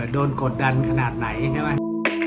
กดดันขนาดไหนใช่ไหม